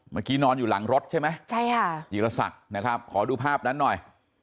เมื่อกี้นอนอยู่หลังรถใช่ไหมจิลศักดิ์นะครับขอดูภาพนั้นหน่อย